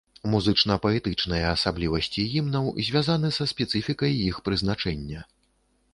Музычна-паэтычныя асаблівасці гімнаў звязаны са спецыфікай іх прызначэння.